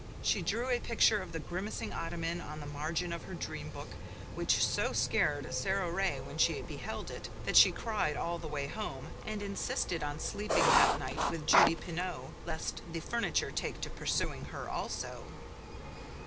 She drew a picture of the grimacing ottoman on the margin of her dream book which so scared Sara Ray when she beheld it that she cried all the way home, and insisted on sleeping that night with Judy Pineau lest the furniture take to pursuing her also.